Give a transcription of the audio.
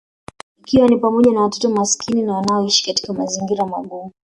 Ikiwa ni pamoja na watoto maskini na wanaoishi katika mazingira magumu